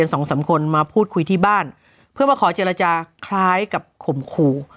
สองสามคนมาพูดคุยที่บ้านเพื่อมาขอเจรจาคล้ายกับข่มขู่